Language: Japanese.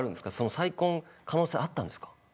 再婚の可能性あったんですか？